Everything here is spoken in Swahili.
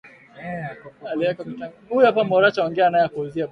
aliyeko Kitengo cha Biashara Chuo Kikuu cha Makerere